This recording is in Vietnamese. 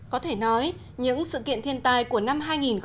có thể nói những sự kiện thiên tai của năm hai nghìn một mươi chín